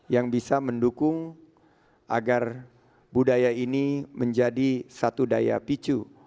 yang bisa mendukung agar budaya ini menjadi satu daya picu